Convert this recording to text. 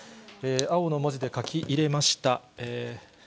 青の文字で書き入れました。